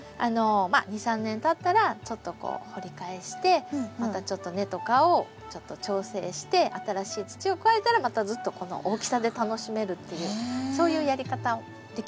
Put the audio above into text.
まあ２３年たったらちょっとこう掘り返してまたちょっと根とかを調整して新しい土を加えたらまたずっとこの大きさで楽しめるっていうそういうやり方できますので。